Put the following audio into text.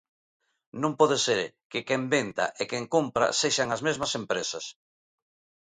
Non poder ser que quen venda e quen compra sexan as mesmas empresas.